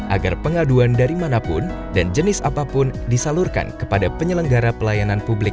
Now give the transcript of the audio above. agar pengaduan dari manapun dan jenis apapun disalurkan kepada penyelenggara pelayanan publik